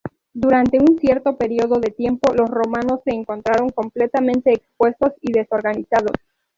Durante un cierto periodo de tiempo, los romanos se encontraron completamente expuestos y desorganizados.